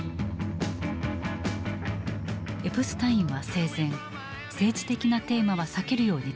エプスタインは生前政治的なテーマは避けるように伝えていた。